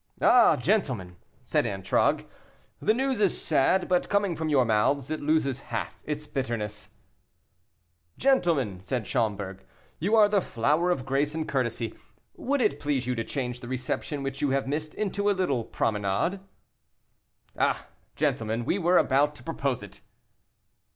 "Ah, gentlemen," said Antragues, "the news is sad, but, coming from your mouths, it loses half its bitterness." "Gentlemen," said Schomberg, "you are the flower of grace and courtesy. Would it please you to change the reception which you have missed into a little promenade?" "Ah! gentlemen, we were about to propose it."